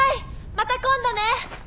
また今度ね！